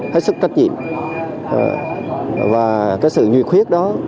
hết sức trách nhiệm và cái sự duyệt huyết đó